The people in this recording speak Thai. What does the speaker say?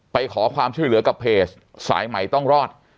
ไปขอความช่วยเหลือกับเพจสายใหม่ต้องรอด